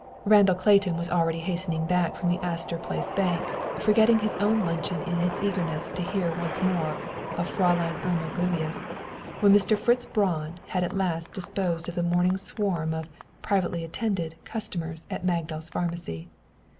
Randall Clayton was already hastening back from the Astor Place Bank, forgetting his own luncheon in his eagerness to hear once more of Fräulein Irma Gluyas, when Mr. Fritz Braun had at last disposed of the morning swarm of "privately attended" customers at Magdal's Pharmacy.